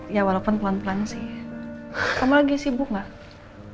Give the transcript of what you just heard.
ya walaupun pelan pelan sih kamu lagi sibuk gak